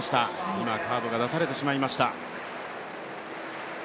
今、カードが出されてしまいました。